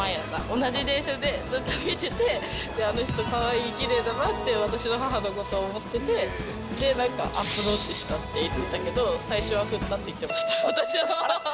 同じ電車でずっと見てて、あの人かわいい、きれいだなって、私の母のことを思ってて、で、なんかアプローチしたって言ってたけど、最初は振ったって言ってました、私の母。